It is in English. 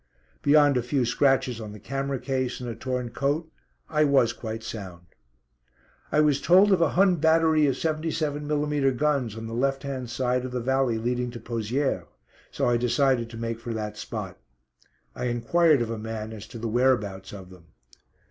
Beyond a few scratches on the camera case and a torn coat, I was quite sound. I was told of a Hun battery of 77 mm. guns on the left hand side of the valley leading to Pozières, so I decided to make for that spot. I enquired of a man as to the whereabouts of them.